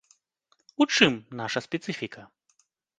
У чым наша спецыфіка?